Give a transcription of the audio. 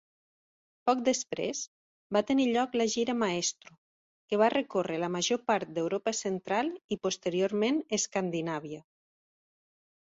Poc després, va tenir lloc la gira Maestro, que va recórrer la major part d'Europa central i posteriorment Escandinàvia.